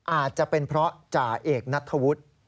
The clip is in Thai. อาจจะเป็นเพราะจ่าเอกนัทธวุฒิ